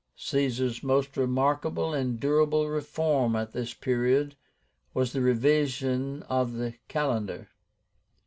Caesar's most remarkable and durable reform at this period was the REVISION OF THE CALENDAR.